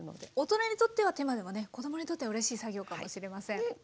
ねっ大人にとっては手間でもね子どもにとってはうれしい作業かもしれません。